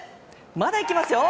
まだいきますよ。